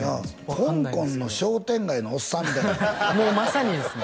香港の商店街のおっさんみたいなまさにですね